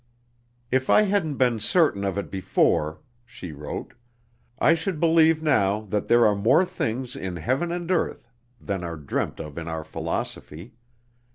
"If I hadn't been certain of it before," she wrote, "I should believe now that there are more things in heaven and earth than are dreamt of in our philosophy.